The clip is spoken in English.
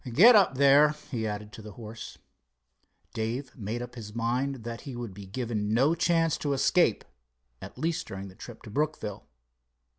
Get up, there," he added to the horse. Dave made up his mind that he would be given no chance to escape, at least during the trip to Brookville.